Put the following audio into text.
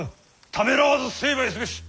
ためらわず成敗すべし！